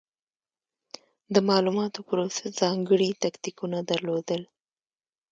د مالوماتو پروسس ځانګړې تکتیکونه درلودل.